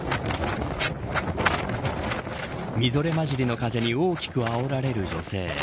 みぞれ混じりの風に大きくあおられる女性。